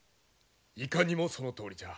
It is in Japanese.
いかにもそのとおりじゃ。